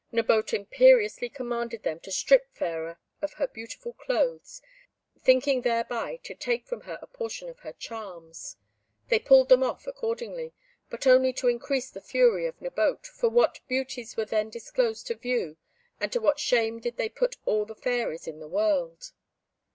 Nabote imperiously commanded them to strip Fairer of her beautiful clothes, thinking thereby to take from her a portion of her charms. They pulled them off, accordingly, but only to increase the fury of Nabote, for what beauties were then disclosed to view, and to what shame did they put all the fairies in the world!